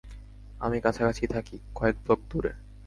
আমি কাছাকাছিই থাকি, কয়েক ব্লক দূরে।